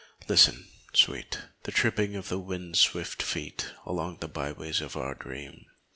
Listen, sweet, The tripping of the wind's swift feet Along the by ways of our dream.